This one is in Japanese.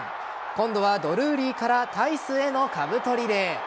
今度はドルーリーからタイスへのかぶとリレー。